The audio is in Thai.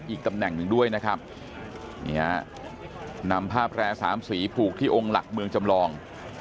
อีกตำแหน่งหนึ่งด้วยนะครับนี่ฮะนำผ้าแพร่สามสีผูกที่องค์หลักเมืองจำลอง